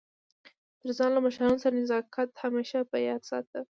تر ځان له مشرانو سره نزاکت همېشه په یاد ساته!